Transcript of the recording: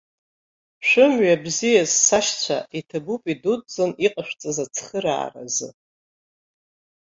Шәымҩа бзиаз сашьцәа, иҭабуп идуӡӡан иҟашәҵаз ацхырааразы.